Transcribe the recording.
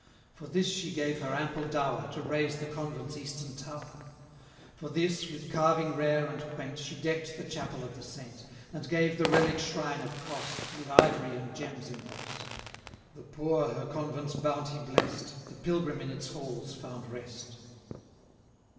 60 For this she gave her ample dower, To raise the convent's eastern tower; For this, with carving rare and quaint, She deck'd the chapel of the saint, And gave the relic shrine of cost, 65 With ivory and gems emboss'd. The poor her Convent's bounty blest, The pilgrim in its halls found rest.